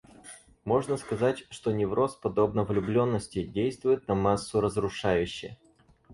Можно сказать, что невроз, подобно влюбленности, действует на массу разрушающе.